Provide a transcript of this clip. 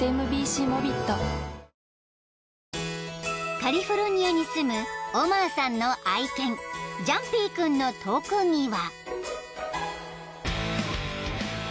［カリフォルニアに住むオマーさんの愛犬ジャンピー君の特技は］